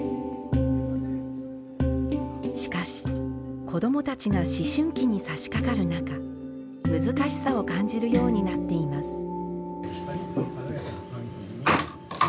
しかし子どもたちが思春期にさしかかる中難しさを感じるようになっています。